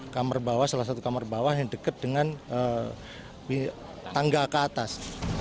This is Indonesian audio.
kamar bawah salah satu kamar bawah yang dekat dengan tangga ke atas